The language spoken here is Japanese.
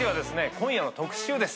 今夜の特集です。